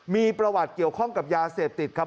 มีประวัติเกี่ยวข้องกับยาเสพติดครับ